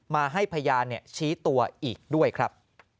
มาให้พยานชี้ตัวอีกด้วยครับ